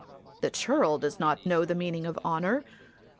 The churl does not know the meaning of honour.